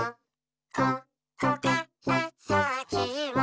「ここからさきは」